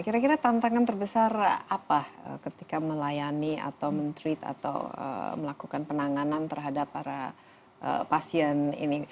kira kira tantangan terbesar apa ketika melayani atau men treat atau melakukan penanganan terhadap para pasien ini